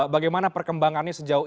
bagaimana perkembangannya sejauh